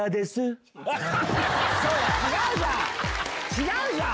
違うじゃん！